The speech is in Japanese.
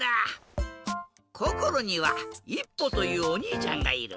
こころにはいっぽというおにいちゃんがいる。